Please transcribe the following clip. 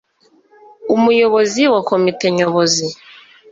umuyobozi wa Komite Nyobozi